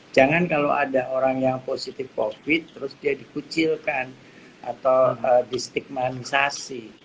jangan kalau ada orang yang positif covid terus dia dikucilkan atau distigmanisasi